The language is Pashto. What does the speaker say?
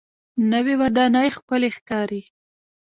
نوې ودانۍ ښکلې ښکاري